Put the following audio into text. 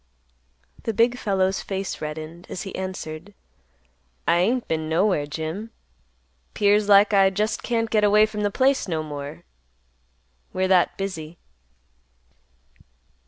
The big fellow's face reddened, as he answered, "I ain't been nowhere, Jim. 'Pears like I just can't get away from the place no more; we're that busy."